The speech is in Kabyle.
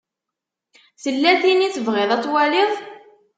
Tella tin i tebɣiḍ ad twaliḍ?